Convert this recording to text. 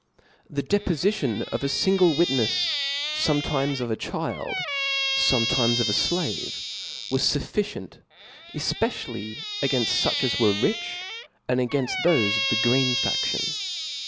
^he depofition of a Jingle witnefs^ fometimes of a child^ fometimes of a Jkve^ was fufficient^ efpe daily againft fuch as were ricb^ and againft tbofi of the green faSion.